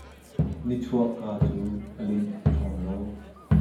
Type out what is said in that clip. Nichuakka cu a linh a ṭhawng lo.